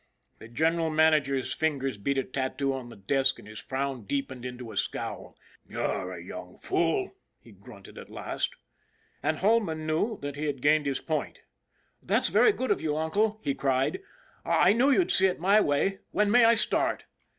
The general manager's fingers beat a tattoo on the desk and his frown deepened into a scowl. " You're a young fool," he grunted at last. And Holman knew that he had gained his point. " That's very good of you, uncle," he cried. " I knew you'd see it my way. When may I start